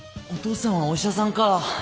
お父さんはお医者さんかぁ。